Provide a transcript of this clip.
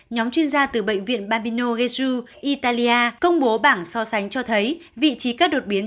nhóm chuyên gia từ bệnh viện babino gheju italia công bố bảng so sánh cho thấy vị trí các đột biến